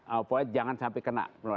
avoid jangan sampai kena